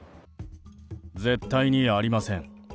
絶対にありません。